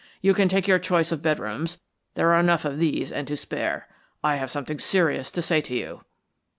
You can take your choice of bed rooms there are enough of those and to spare. I have something serious to say to you."